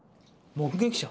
目撃者？